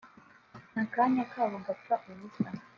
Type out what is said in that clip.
nta kanya kabo gapfa ubusa